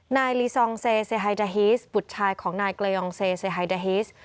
นายลีซองเซไฮดาฮีสบุตรชายของนายเกลยองเซไฮดาฮิส